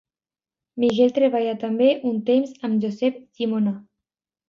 Miquel treballà també un temps amb Josep Llimona.